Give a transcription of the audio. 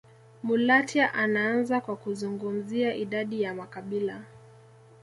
Mulatya anaanza kwa kuzungumzia idadi ya makabila